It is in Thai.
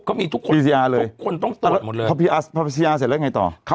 ก็มีทุกคนต้องตรวจหมดเลย